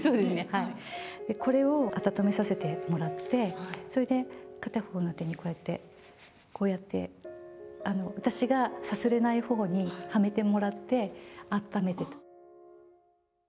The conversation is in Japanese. これを温めさせてもらって、それで片方の手に、こうやって、こうやって、私がさすれないほうにはめてもらってあっためてた。